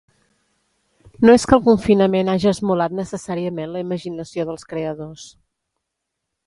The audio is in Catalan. No és que el confinament haja esmolat necessàriament la imaginació dels creadors.